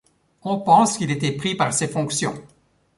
On pense qu'il était pris par ses fonctions.